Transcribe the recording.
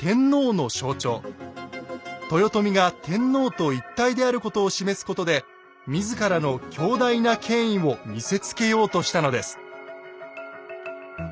豊臣が天皇と一体であることを示すことで自らの強大な権威を見せつけようとしたのです。